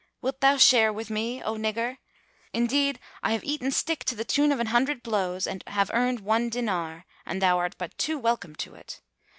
Wilt thou share with me, O nigger? Indeed, I have eaten stick to the tune of an hundred blows and have earned one dinar, and thou art but too welcome to it."